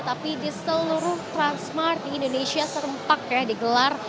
tapi di seluruh transmart di indonesia serempak ya digelar